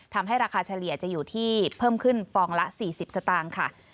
ทำให้ราคาเฉลี่ยจะอยู่ที่เพิ่มขึ้นฟองละ๔๐สตางค์ค่ะ